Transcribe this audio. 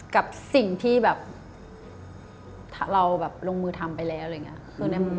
กับสิ่งที่เราลงมือทำไปแล้ว